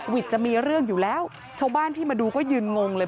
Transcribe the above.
จะมีเรื่องอยู่แล้วชาวบ้านที่มาดูก็ยืนงงเลย